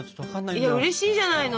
いやうれしいじゃないの！